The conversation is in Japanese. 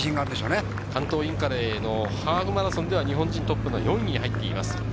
関東インカレハーフマラソン、日本人トップの４位に入っています。